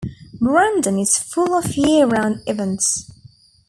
Brandon is full of year-round events.